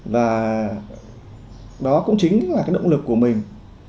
và đó cũng chính là cái động lực của mình